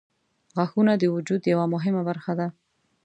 • غاښونه د وجود یوه مهمه برخه ده.